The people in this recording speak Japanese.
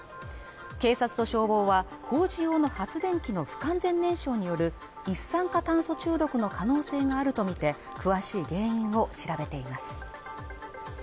警察と消防は工事用の発電機の不完全燃焼による一酸化炭素中毒の可能性があるとみて詳しい原因を調べています